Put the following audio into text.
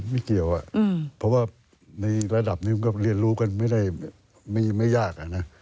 ไม่เกี่ยวเพราะว่าในระดับนี้มันก็เรียนรู้กันไม่ได้ไม่ยากอะนะ